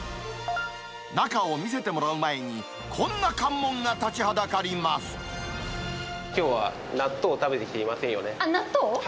中を見せてもらう前に、きょうは納豆を食べてきてい納豆？